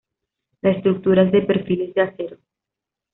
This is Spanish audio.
La estructura es de perfiles de acero.